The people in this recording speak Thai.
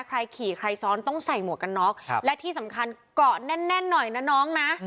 ใครขี่ใครซ้อนต้องใส่หมวกกันน็อกและที่สำคัญเกาะแน่นแน่นหน่อยนะน้องนะ